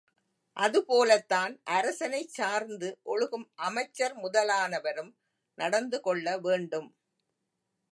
அது போலத்தான் அரசனைச் சார்ந்து ஒழுகும் அமைச்சர் முதலானவரும் நடந்துகொள்ள வேண்டும்.